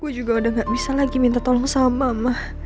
gue juga udah gak bisa lagi minta tolong sama mama